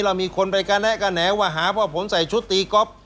แล้วมีคนไปแนะกันแหนวว่าหาพ่อผมใส่ชุดตีก็อป